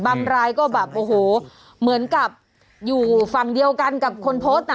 รายก็แบบโอ้โหเหมือนกับอยู่ฝั่งเดียวกันกับคนโพสต์น่ะ